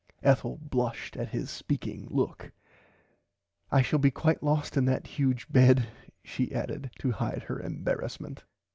Ethel blushed at his speaking look. I shall be quite lost in that huge bed she added to hide her embarassment.